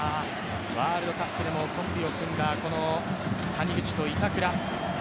ワールドカップでもコンビを組んだ谷口と板倉。